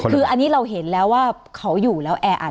คืออันนี้เราเห็นแล้วว่าเขาอยู่แล้วแออัด